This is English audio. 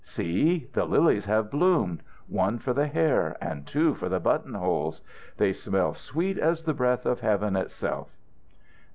See, the lilies have bloomed. One for the hair and two for the buttonholes. They smell sweet as the breath of heaven itself."